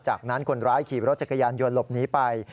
จากนั้นคนร้ายขี่รถจักรยานยนต์หลบหนีไป